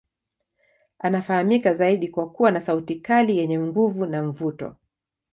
Anafahamika zaidi kwa kuwa sauti kali yenye nguvu na mvuto.